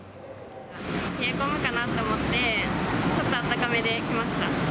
冷え込むかなと思って、ちょっとあったかめで来ました。